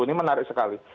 ini menarik sekali